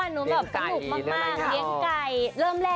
โอ้ยมันเป็นแซมแซมแค